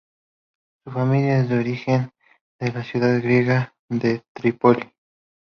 Su familia es originaria de la ciudad griega de Trípoli.